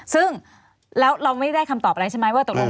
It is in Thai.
ซึ่งแล้วเราไม่ได้คำตอบอะไรใช่ไหมว่าตกลง